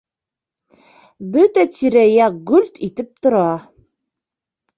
Бөтә тирә-яҡ гөлт итеп тора.